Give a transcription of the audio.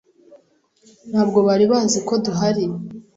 Ntabwo bari bazi ko duhari.